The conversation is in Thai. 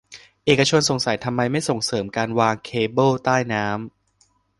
เอกชนสงสัยทำไมไม่ส่งเสริมการวางเคเบิลใต้น้ำ